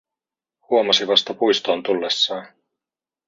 Huomasi vasta puistoon tullessaan.